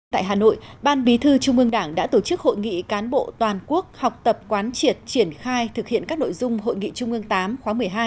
tại hà nội ban bí thư trung ương đảng đã tổ chức hội nghị cán bộ toàn quốc học tập quán triệt triển khai thực hiện các nội dung hội nghị trung ương viii khóa một mươi hai